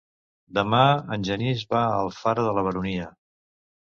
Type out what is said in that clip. Demà en Genís va a Alfara de la Baronia.